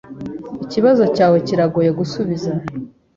Ikibazo cyawe kirangoye gusubiza.